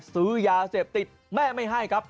ซื้อยาเสพติดแม่ไม่ให้ครับ